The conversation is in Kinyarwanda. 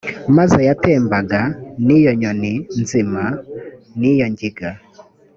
mazi yatembaga n iyo nyoni nzima n iyo ngiga